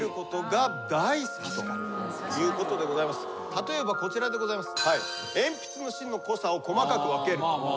例えばこちらでございます。